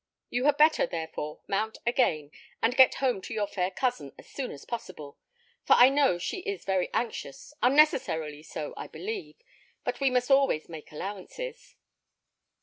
You had better, therefore, mount again, and get home to your fair cousin as soon as possible, for I know she is very anxious, unnecessarily so, I believe; but we must always make allowances."